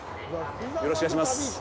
よろしくお願いします。